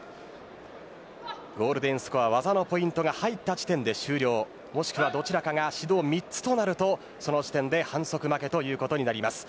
ゴールデンスコアは技のポイントが入った時点で終了もしくは、どちらかが指導３つとなると、その時点で反則負けということになります。